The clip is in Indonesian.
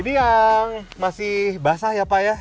ini yang masih basah ya pak ya